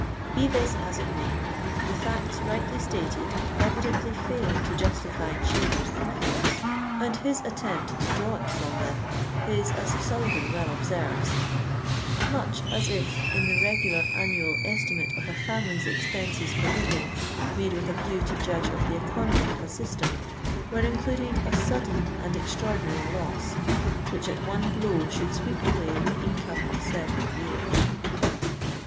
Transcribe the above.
Be this as it may, the facts rightly stated evidently fail to justify Cheever's inference, and his attempt to draw it from them, is, as O'Sullivan well observes, "muchas if in the regular annual estimate of a family's expenses for living, made with a view to judge of the economy of a system* were included a sudden and extraordinary loss, which at one blow should sweep away the income of several years."